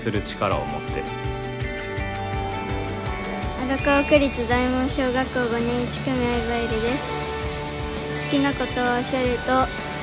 荒川区立大門小学校５年１組相葉えるです。